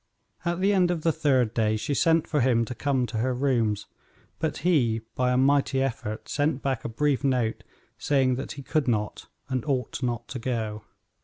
At the end of the third day she sent for him to come to her rooms, but he, by a mighty effort, sent back a brief note saying that he could not and ought not to go.